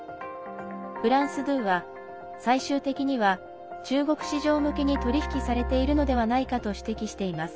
フランス２は、最終的には中国市場向けに取り引きされているのではないかと指摘しています。